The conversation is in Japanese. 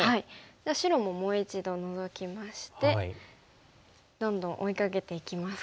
じゃあ白ももう一度ノゾきましてどんどん追いかけていきますか。